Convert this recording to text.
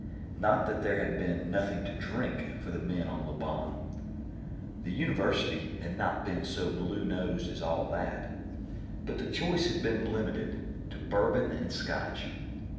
Not that there had been nothing to drink for the men on Lobon: the University had not been so blue nosed as all that. But the choice had been limited to bourbon and Scotch.